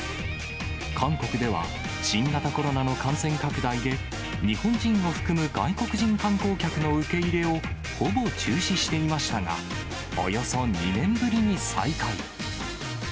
韓国では、新型コロナの感染拡大で、日本人を含む外国人観光客の受け入れをほぼ中止していましたが、およそ２年ぶりに再開。